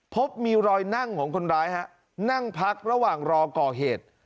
พบมีรอยนั่งของคนร้ายฮะนั่งพักระหว่างรอก่อเหตุ